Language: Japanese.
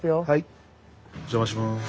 お邪魔します。